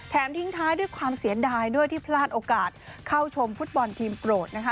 ทิ้งท้ายด้วยความเสียดายด้วยที่พลาดโอกาสเข้าชมฟุตบอลทีมโกรธนะคะ